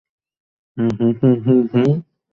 এখানে আসার পর কি ওরা তোমাকে বিরক্ত করেছে?